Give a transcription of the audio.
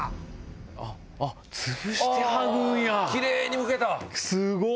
あっあっ潰して剥ぐんやきれいにむけたすごっ！